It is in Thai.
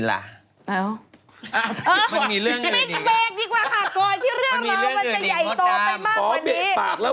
ดูหน้าค่ะดูหน้าค่ะ